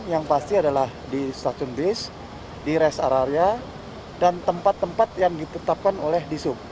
yang pasti adalah di stasiun bis di rest area dan tempat tempat yang ditetapkan oleh disub